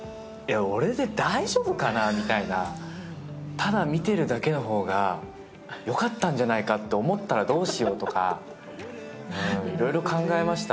ただ、見てるだけの方がよかったんじゃないかとか思ったらどうしようとかいろいろ考えました。